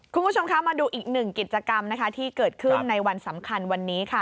คุณผู้ชมคะมาดูอีกหนึ่งกิจกรรมนะคะที่เกิดขึ้นในวันสำคัญวันนี้ค่ะ